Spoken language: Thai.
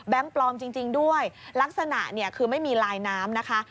แบงค์ปลอมจริงด้วยลักษณะคือไม่มีลายน้ำนะคะ